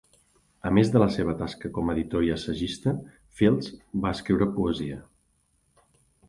A més de la seva tasca com a editor i assagista, Fields va escriure poesia.